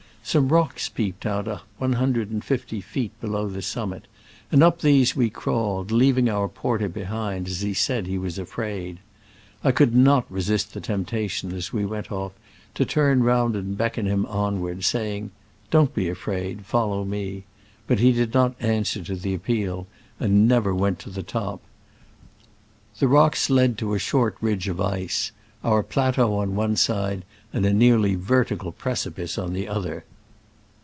Some rocks peeped out one hundred and fifty feet below the summit, and up these we crawled, leaving our porter behind, as he said he was afraid. I could not re sist the temptation, as we went off, to turn round and beckon him onward, saying, "Don't be afraid — follow me," but he did not answer tp the appeal, and never went to the top. The rocks led to a short ridge of ice — our plateau on one side, and a nearly vertical preci pice on the other.